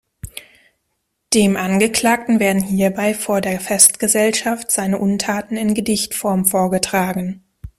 Dem „Angeklagten“ werden hierbei vor der Festgesellschaft seine „Untaten“ in Gedichtform vorgetragen.